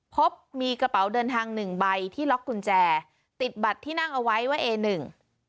พบมีกระเป๋าเดินทางหนึ่งใบที่ล็อกกุญแจติดบัตรที่นั่งเอาไว้ว่าเอหนึ่ง